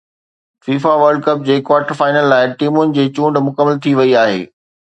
FIFA world cup جي quarter final لاءِ ٽيمن جي چونڊ مڪمل ٿي وئي آهي